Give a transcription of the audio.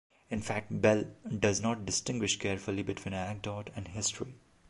In fact, Bell does not distinguish carefully between anecdote and history.